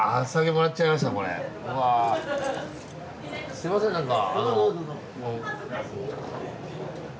すいません何か。